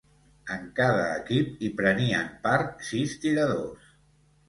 En cada equip hi prenien part sis tiradors.